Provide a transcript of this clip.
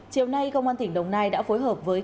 chiều nay công an tỉnh đồng nai đã phối hợp với